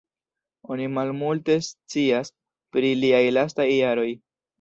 Oni malmulte scias pri liaj lastaj jaroj.